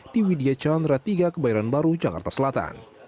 di widya calon ratiga kebayaran baru jakarta selatan